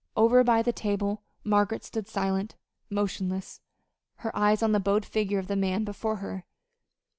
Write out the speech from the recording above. Over by the table Margaret stood silent, motionless, her eyes on the bowed figure of the man before her.